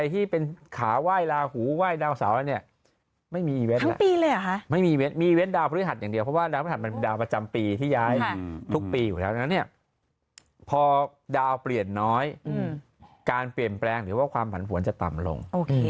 ทุกปีอีกแล้วดังนั้นพอดาวเปลี่ยนน้อยการเปลี่ยนแปลงหรือว่าความผันผวนจะต่ำลง